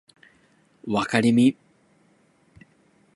わかりみ